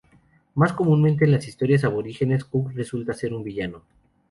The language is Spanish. Más comúnmente en las historias aborígenes, Cook resulta ser un villano.